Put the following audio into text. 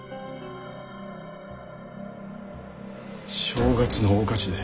正月の大火事で。